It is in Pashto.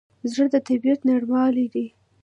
زړه د طبیعت نرموالی لري.